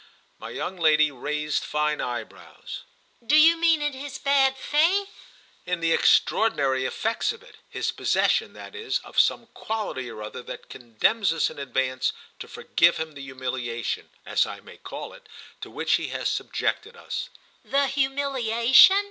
My young lady raised fine eyebrows. "Do you mean in his bad faith?" "In the extraordinary effects of it; his possession, that is, of some quality or other that condemns us in advance to forgive him the humiliation, as I may call it, to which he has subjected us." "The humiliation?"